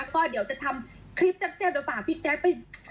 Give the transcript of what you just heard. ก็เดี๋ยวจะทำคลิปแซ่บเดี๋ยวฝากพี่แจ๊คไป